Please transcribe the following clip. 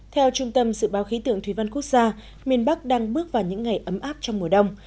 theo trung tâm dự báo khí tượng thủy văn quốc gia miền bắc đang bước vào những ngày ấm áp trong mùa đông